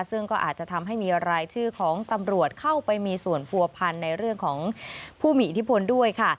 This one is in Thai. ซึ่งก็อาจจะทำให้มีรายชื่อของตำรวจเข้าไปมีส่วนผัวพันธ์ในเรื่องของผู้มีอิทธิพลด้วยค่ะ